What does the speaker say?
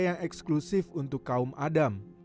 yang eksklusif untuk kaum adam